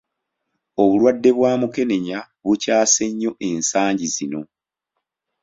Obulwadde bwa Mukenenya bukyase nnyo ensangi zino.